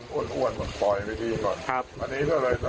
อ้วนอ้วนปล่อยไปที่ก่อนครับ